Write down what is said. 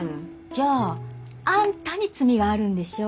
じゃああんたに罪があるんでしょう？